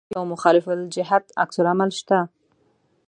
د هر عمل لپاره مساوي او مخالف الجهت عکس العمل شته.